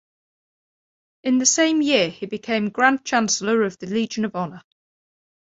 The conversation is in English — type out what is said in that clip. In the same year, he became Grand Chancellor of the Legion of Honour.